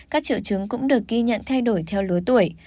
các triệu chứng cũng được ghi nhận thay đổi theo lứa tuổi